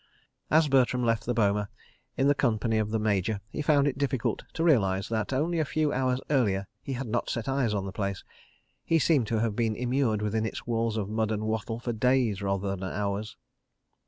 As Bertram left the boma in company of the Major, he found it difficult to realise that, only a few hours earlier he had not set eyes on the place. He seemed to have been immured within its walls of mud and wattle for days, rather than hours.